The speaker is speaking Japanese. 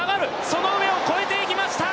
その上を越えて行きました！